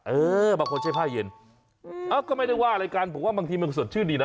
เออบางคนใช้ผ้าเย็นเอ้าก็ไม่ได้ว่าอะไรกันผมว่าบางทีมันสดชื่นดีนะ